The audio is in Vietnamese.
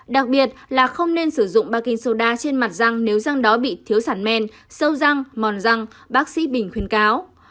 đặc biệt là không nên sử dụng ba kingsoda trên mặt răng nếu răng đó bị thiếu sản men sâu răng mòn răng bác sĩ bình khuyên cáo